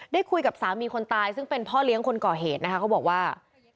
ได้คุยกับสามีคนตายซึ่งเป็นพ่อเลี้ยงคนก่อเหตุนะคะเขาบอกว่า